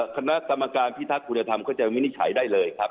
คณะสมการพิทัศน์ภูมิธรรมเขาจะวินิจฉัยได้เลยครับ